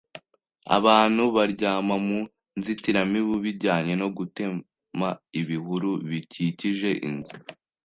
abantu baryama mu nzitiramibu bijyana no gutema ibihuru bikikije inzu